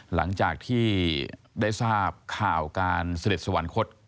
หลังจากที่ได้ทราบข่าวการเสด็จสวรรคต